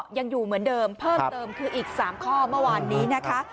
ยังอยู่เหมือนเดิมเพิ่มเติมคืออีก๓ข้อเมื่อวานนี้นะคะ